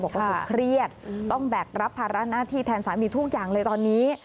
บอกว่าเธอเครียดต้องแบกรับภาระหน้าที่แทนสามีทุกอย่างเลยตอนนี้